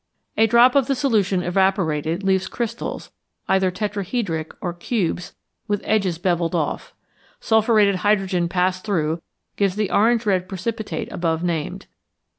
A drop of the solution evaporated leaves crystals, either tetrahedric, or cubes with edges bevelled off. Sulphuretted hydrogen passed through gives the orange red precipitate above named.